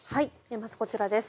まずこちらです。